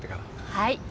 はい。